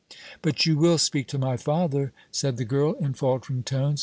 "But you will speak to my father?" said the girl, in faltering tones.